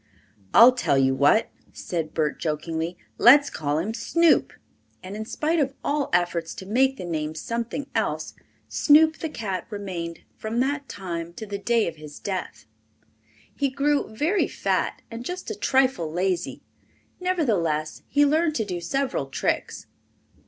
"I'll tell you what," said Bert jokingly, "Let's call him Snoop," and in spite of all efforts to make the name something else Snoop the cat remained from that time to the day of his death. He grew very fat and just a trifle lazy, nevertheless he learned to do several tricks.